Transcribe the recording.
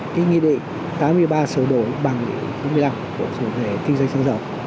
cái nghị định tám mươi ba sửa đổi bằng nghị định chín mươi năm của sở thể kinh doanh sự giọng